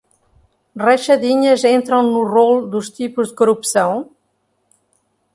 Rachadinhas entram no rol dos tipos de corrupção?